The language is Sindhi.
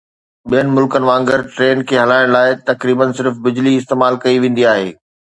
ٻين ملڪن وانگر، ٽرين کي هلائڻ لاء تقريبا صرف بجلي استعمال ڪئي ويندي آهي